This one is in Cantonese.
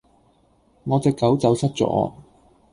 我隻狗走失咗